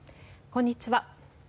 こんにちは。